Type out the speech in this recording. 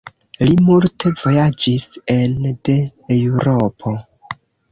Li multe vojaĝis ene de Eŭropo.